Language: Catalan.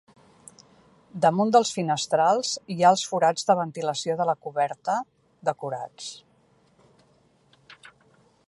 Damunt dels finestrals hi ha els forats de ventilació de la coberta, decorats.